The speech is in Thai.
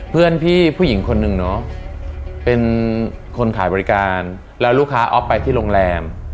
เพื่อนพี่ผู้หญิงคนหนึ่งเนาะเป็นคนขายบริการแล้วลูกค้าอ๊อฟไปที่โรงแรม